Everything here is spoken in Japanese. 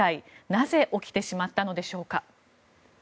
なぜ起きてしまったのでしょうか。